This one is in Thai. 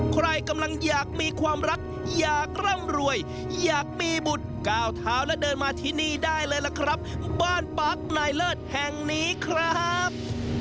ใครกำลังอยากมีความรักอยากร่ำรวยอยากมีบุตรก้าวเท้าและเดินมาที่นี่ได้เลยล่ะครับบ้านปั๊กนายเลิศแห่งนี้ครับ